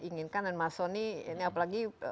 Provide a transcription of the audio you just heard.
inginkan dan mas soni ini apalagi